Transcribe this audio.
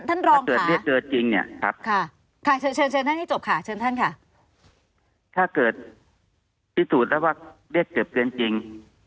ถ้าเกิดเรียกเกิดจริงเนี่ยถ้าเกิดพิสูจน์แล้วว่าเรียกเกิดเกินจริง